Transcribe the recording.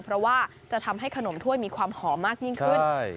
เพราะว่าจะทำให้ขนมถ้วยมีความหอมมากยิ่งขึ้น